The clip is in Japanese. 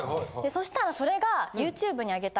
そしたらそれが。